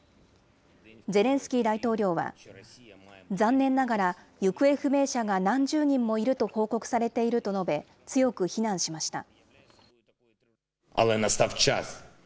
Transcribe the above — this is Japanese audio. ゼレンスキー大統領は、残念ながら行方不明者が何十人もいると報告されていると述べ、強く非難しました。